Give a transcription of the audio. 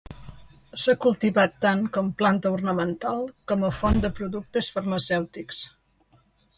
S'ha cultivat tant com planta ornamental com a font de productes farmacèutics.